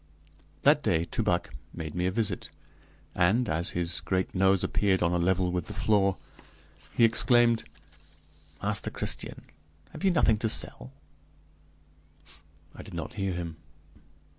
That day Toubac made me a visit, and, as his great nose appeared on a level with the floor, he exclaimed: "Master Christian, have you nothing to sell?" I did not hear him.